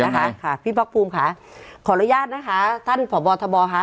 นะคะค่ะพี่พักภูมิค่ะขออนุญาตนะคะท่านผอบอทบค่ะ